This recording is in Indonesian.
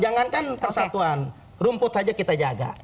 jangankan persatuan rumput saja kita jaga